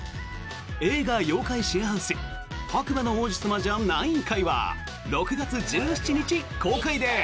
映画「妖怪シェアハウス−白馬の王子様じゃないん怪−」は６月１７日公開です。